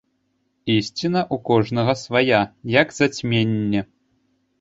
Ісціна ў кожнага свая, як зацьменне!